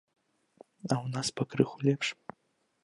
А ў нас пакрыху лепш.